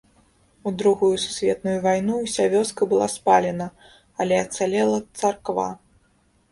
У другую сусветную вайну ўся вёска была спалена, але ацалела царква.